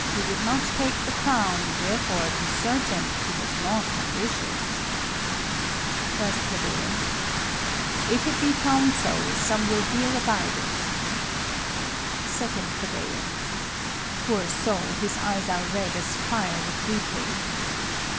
He would not take the crown; Therefore, 'tis certain, he was not ambitious. 1 Ple. If it be found so, some will dear abide it. 2 Ple. Poor soul, his eyes are red as fire with weeping.